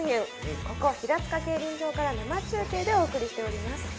ここ平塚競輪場から生中継でお送りしています。